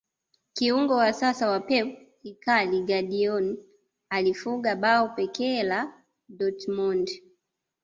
kiungo wa sasa wa pep ikaly gundagon alifunga bao pekee la dortmond